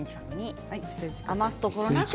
余すところなく。